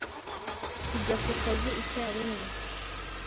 tujya ku kazi icyarimwe.